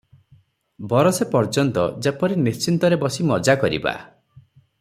ବରଷେ ପର୍ଯ୍ୟନ୍ତ ଯେପରି ନିଶ୍ଚିନ୍ତରେ ବସି ମଜା କରିବା ।